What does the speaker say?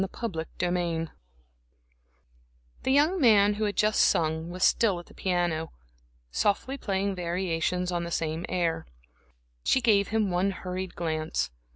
Chapter III The young man who had just sung was still at the piano, softly playing variations on the same air. She gave him one hurried glance.